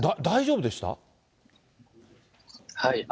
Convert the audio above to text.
大丈夫でした？